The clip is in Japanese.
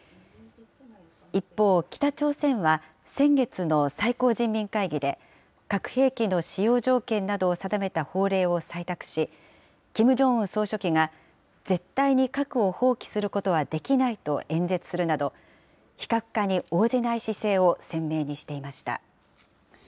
一方、北朝鮮は先月の最高人民会議で、核兵器の使用条件などを定めた法令を採択し、キム・ジョンウン総書記が、絶対に核を放棄することはできないと演説するなど、非核化に応じない姿勢を鮮明にしていました。